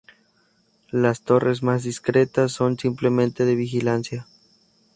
Las torres más discretas son simplemente de vigilancia.